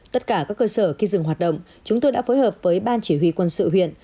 tất cả các cơ sở khi dừng hoạt động chúng tôi đã phối hợp với ban chỉ huy quân sự huyện